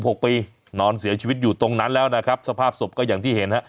หกปีนอนเสียชีวิตอยู่ตรงนั้นแล้วนะครับสภาพศพก็อย่างที่เห็นฮะ